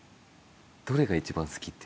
どれが一番好きって。